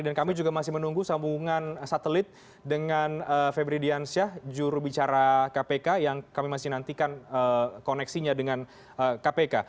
dan kami juga masih menunggu sambungan satelit dengan febri diansyah jurubicara kpk yang kami masih menantikan koneksinya dengan kpk